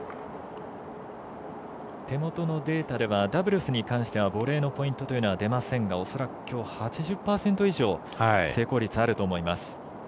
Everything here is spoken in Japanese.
手元のデータではダブルスに関してはボレーのポイントというのは出ませんが恐らくきょう、８０％以上成功率、あると思います。